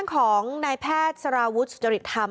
ของนายแพทย์สารวุฒิสุจริตธรรม